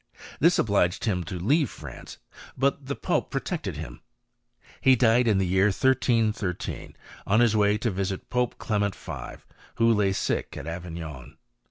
This obliged him to leave France ; but the pope protected him. He died in the year 1313, on his way to visit Pope Clement V. who lay sick at Avignon.